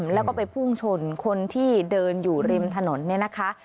แล้วก็ไปพุ่งชนคนที่เดินอยู่ริมถนนเนี่ยนะคะ